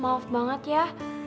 ma maaf banget ya